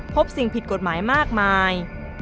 พบสิ่งผิดกฎหมายมากมาย